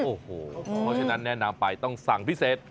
โอ้โหเพราะฉะนั้นแน่นอนไปต้องสั่งพิเศษ